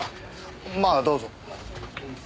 まあどうぞ。